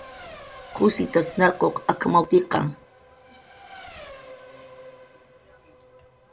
"¿Qusitas narquq ak""mawkiqa?"